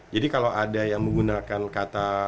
jadi kalau ada yang menggunakan kata